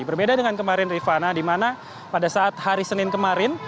berbeda dengan kemarin rifana di mana pada saat hari senin kemarin